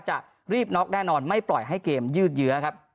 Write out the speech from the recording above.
จะรีบน็อกแน่นอนไม่ปล่อยให้เกมยืดเยื้อครับ